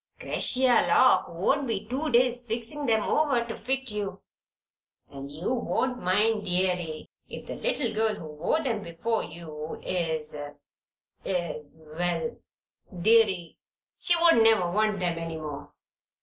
'Cretia Lock won't be two days fixin' 'em over to fit you. And you won't mind, deary, if the little girl who wore them before you is is Well, deary, she won't never want them any more."